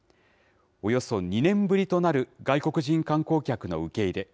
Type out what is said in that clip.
およそ２年ぶりとなる外国人観光客の受け入れ。